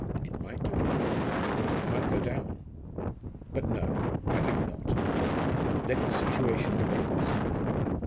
It might do it might go down. But no, I think not! Let the situation develop itself.